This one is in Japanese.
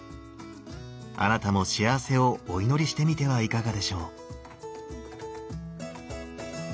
あなたも幸せをお祈りしてみてはいかがでしょう。